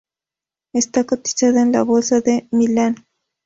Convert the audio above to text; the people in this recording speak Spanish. Está cotizada en la Bolsa de Milán.